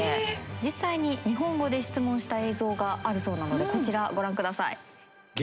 実際に日本語で質問した映像があるそうなのでこちらご覧下さい。